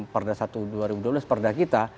pardah satu dua ribu dua belas pardah kita